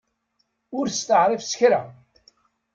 Ur steεrif s kra!